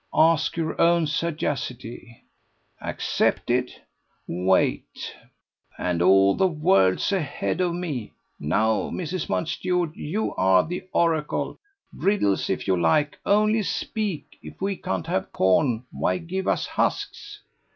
"Ask your own sagacity." "Accepted?" "Wait." "And all the world's ahead of me! Now, Mrs. Mountstuart, you are oracle. Riddles, if you like, only speak. If we can't have corn, why, give us husks."